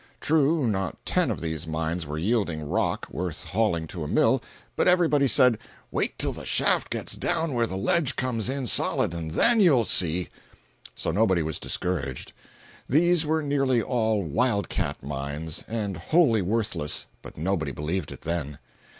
True, not ten of these mines were yielding rock worth hauling to a mill, but everybody said, "Wait till the shaft gets down where the ledge comes in solid, and then you will see!" So nobody was discouraged. These were nearly all "wild cat" mines, and wholly worthless, but nobody believed it then.